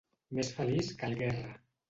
Més feliç que el Guerra.